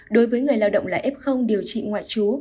đối với người lao động là f điều trị ngoại trú